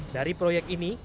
dari proyek ini